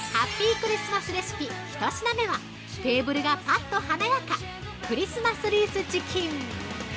クリスマスレシピ１品目はテーブルがパッと華やかクリスマスリースチキン。